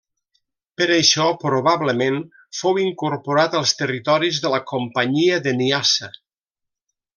Per això probablement fou incorporat als territoris de la Companyia de Niassa.